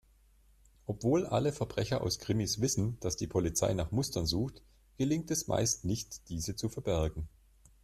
Obwohl alle Verbrecher aus Krimis wissen, dass die Polizei nach Mustern sucht, gelingt es meist nicht, diese zu verbergen.